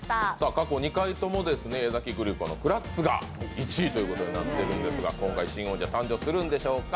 過去２回とも江崎グリコのクラッツが１位となっていますが今回新王者、誕生するんでしょうか。